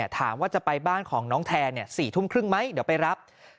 ถามว่าจะไปบ้านของน้องแทน๔ทุ่มครึ่งไหมเดี๋ยวไปรับ